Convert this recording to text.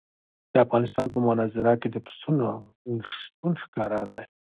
د افغانستان په منظره کې د پسونو شتون ښکاره دی.